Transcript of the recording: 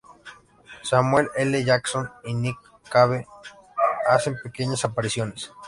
Samuel L. Jackson y Nick Cave hacen pequeñas apariciones.